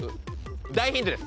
大ヒントです。